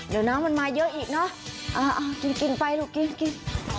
เดี๋ยวน้ำมันมาเยอะอีกเนอะเอาจริงไปลูกกินกิน